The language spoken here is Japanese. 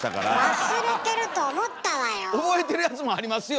忘れてると思ったわよ。